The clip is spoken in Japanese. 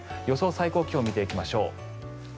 最高気温見ていきましょう。